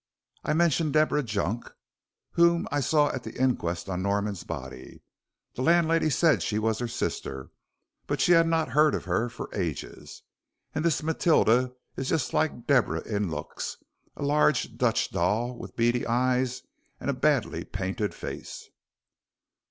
I mentioned Deborah Junk, whom I saw at the inquest on Norman's body. The landlady said she was her sister, but she had not heard of her for ages. And this Matilda is just like Deborah in looks a large Dutch doll with beady eyes and a badly painted face."